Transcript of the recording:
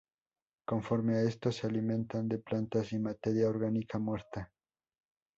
Conforme a esto, se alimentan de plantas y materia orgánica muerta.